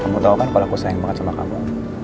kamu tahu kan kalau aku sayang banget sama kamu